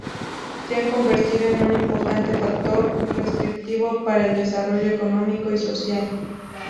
Se han convertido en un importante factor restrictivo para el desarrollo económico y social".